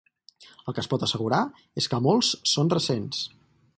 El que es pot assegurar és que molts són recents.